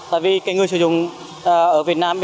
tại vì người sử dụng ở việt nam